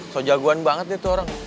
so jagoan banget dia tuh orang